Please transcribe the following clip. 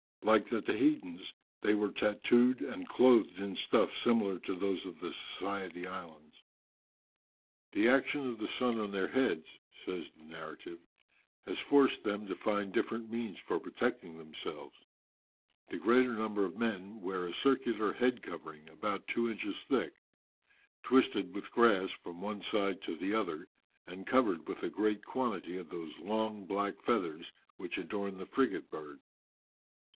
Like the Tahitans they were tattooed, and clothed in stuffs similar to those of the Society Islands. "The action of the sun on their heads," says the narrative, "has forced them to find different means for protecting themselves. The greater number of the men wear a circular head covering about two inches thick, twisted with grass from one side to the other, and covered with a great quantity of those long, black feathers which adorn the frigate bird.